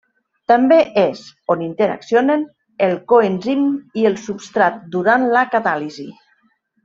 També és on interaccionen el coenzim i el substrat durant la catàlisi.